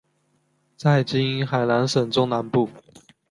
在今海南省中南部。